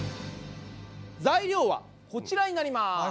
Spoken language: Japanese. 材料はこちらになります。